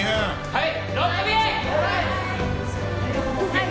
はい！